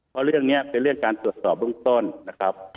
เพราะเรื่องนี้เป็นเรื่องการตรวจสอบเบื้องต้นนะครับ